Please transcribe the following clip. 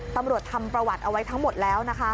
ตำรวจทำประวัติเอาไว้ทั้งหมดแล้วนะคะ